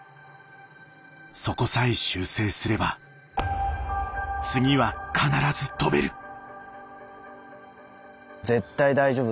そこさえ修正すれば次は必ず跳べる。